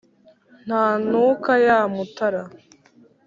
ntanuka ya mutara